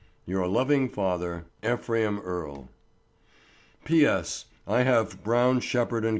Your loving father, EPHRAIM EARLE. P. S. I have Brown, Shepherd, & Co.